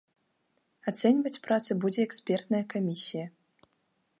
Ацэньваць працы будзе экспертная камісія.